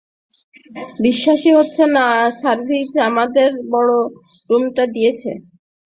বিশ্বাসই হচ্ছে না সার্জিও আমাদের বড় রুমটা দিয়েছে।